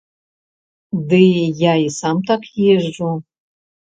Ды, я і сам так езджу.